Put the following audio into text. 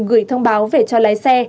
gửi thông báo về cho lái xe